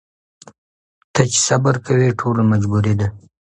ته چي صبر کوې ټوله مجبوري ده